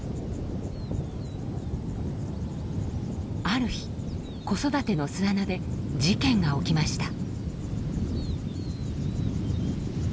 ある日子育ての巣穴で事件が起きました。